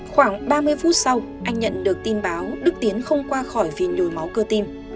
khoảng ba mươi phút sau anh nhận được tin báo đức tiến không qua khỏi vì nhồi máu cơ tim